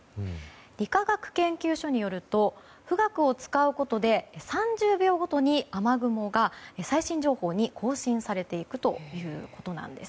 理化学研究所によると「富岳」を使うことで３０秒ごとに雨雲が最新情報に更新されていくということなんです。